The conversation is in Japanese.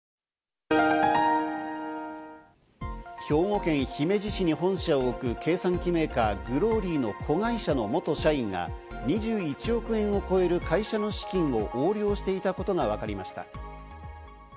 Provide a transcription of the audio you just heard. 兵庫県姫路市に本社を置く計算機メーカー・グローリーの子会社の元社員が２１億円を超える会社の資金を横領していたことがわかりました。